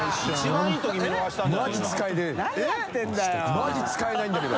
マジ使えないんだけど。